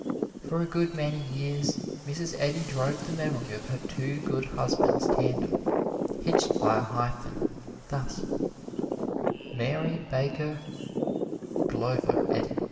For a good many years Mrs. Eddy drove the memory of her two good husbands tandem, hitched by a hyphen, thus: Mary Baker Glover Eddy.